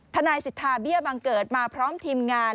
ทนายสิทธาเบี้ยบังเกิดมาพร้อมทีมงาน